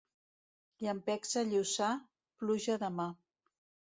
Llampecs a Lluçà, pluja demà.